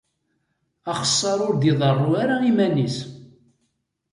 Axessaṛ ur d-iḍerru ara iman-is.